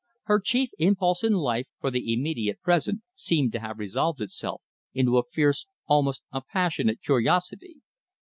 Her chief impulse in life for the immediate present seemed to have resolved itself into a fierce, almost a passionate curiosity.